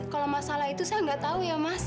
kalau masalah itu saya nggak tahu ya mas